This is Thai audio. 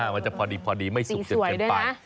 มันจะพอดีไม่สุกเฉียบเย็นไป